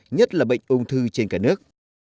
nhất là bệnh ung thư trên cả nước